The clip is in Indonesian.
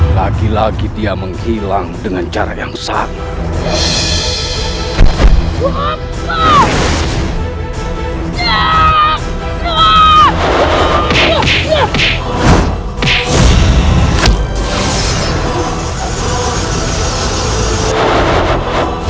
lagi lagi dia menghilang dengan cara yang sama